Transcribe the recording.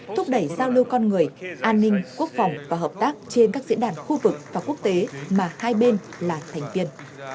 thúc đẩy giao lưu con người an ninh quốc phòng và hợp tác trên các diễn đàn khu vực và quốc tế mà hai bên là thành viên